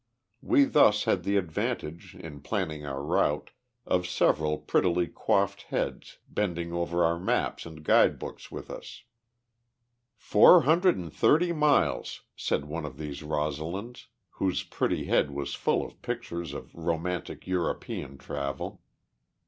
We thus had the advantage, in planning our route, of several prettily coiffed heads bending over our maps and guide books with us. "Four hundred and thirty miles," said one of these Rosalinds, whose pretty head was full of pictures of romantic European travel.